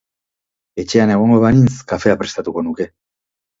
Etxean egongo banintz, kafea prestatuko nuke